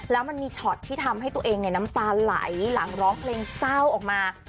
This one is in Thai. แล้วมันมีช็อตที่ทำให้ตัวเองน้ำตาไหลหลังร้องเพลงเศร้าออกมา